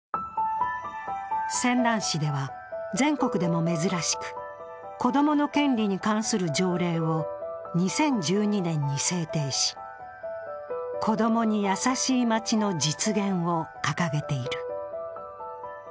泉南市では全国でも珍しく子供の権利に関する条例を２０１２年に制定し、子どもにやさしいまちの実現を掲げている。